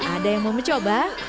ada yang mau mencoba